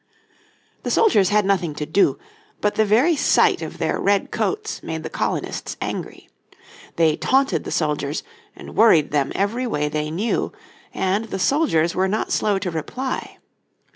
The soldiers had nothing to do, but the very sight of their red coats made the colonists angry. They taunted the soldiers, and worried them every way they knew, and the soldiers were not slow to reply.